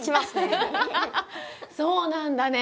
そうなんだね。